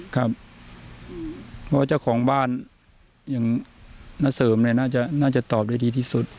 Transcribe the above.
ครับเพราะว่าเจ้าของบ้านอย่างน้าเสริมเนี่ยน่าจะตอบได้ดีที่สุด